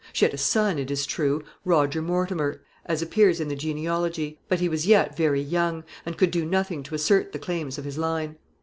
She had a son, it is true, Roger Mortimer, as appears by the table; but he was yet very young, and could do nothing to assert the claims of his line.